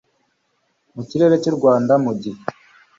mu kirere cy u Rwanda mu gihe